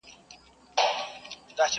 هغه ورځ به در معلوم سي د درمن زړګي حالونه،